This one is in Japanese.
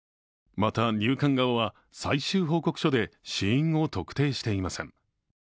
また、入管側は最終報告書で死因を特定していません。